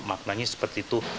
maknanya seperti itu